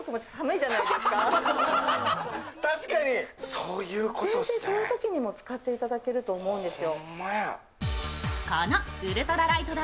そういうときにも使っていただけると思うんですよ。